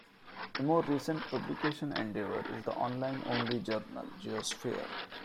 A more recent publication endeavor is the online-only journal "Geosphere".